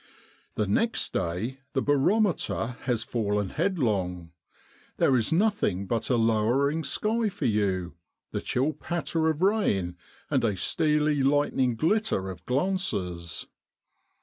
The next day the barometer has fallen headlong. There is nothing but a lowering sky for you, the chill patter of rain, and a steely lightning glitter of glances.